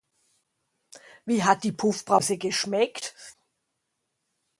Wie hat die Puffbrause geschmeckt?